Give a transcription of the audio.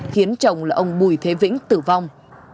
khiến chồng là ông bùi thế vĩnh tử vong